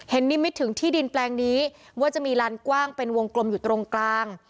นิมิตถึงที่ดินแปลงนี้ว่าจะมีลานกว้างเป็นวงกลมอยู่ตรงกลาง